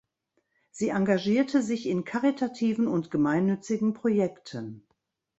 Sie engagierte sich in karitativen und gemeinnützigen Projekten.